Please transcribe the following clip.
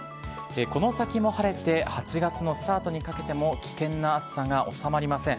この先も晴れて、８月のスタートにかけても危険な暑さが収まりません。